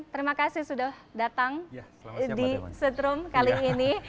terima kasih sudah datang di setrum kali ini